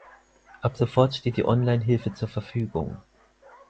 Ab sofort steht die Online-Hilfe zur Verfügung.